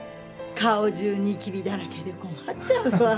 顔中ニキビだらけで困っちゃうわ。